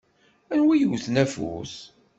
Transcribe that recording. Anwa i yewwten afus?